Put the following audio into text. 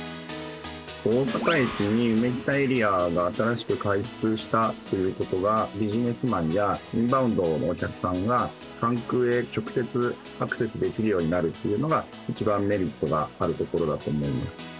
大阪駅にうめきたエリアが新しく開通したという事がビジネスマンやインバウンドのお客さんが関空へ直接アクセスできるようになるっていうのが一番メリットがあるところだと思います。